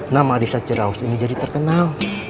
nama desa cerau ini jadi terkenal